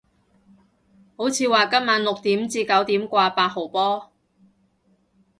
好似話今晚六點至九點掛八號波